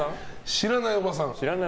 知らないおばさん。